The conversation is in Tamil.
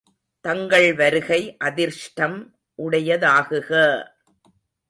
தங்கள் வருகை அதிர்ஷ்டம் உடையதாகுக!